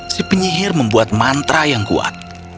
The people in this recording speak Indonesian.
si penyihir membuat mantra yang kuat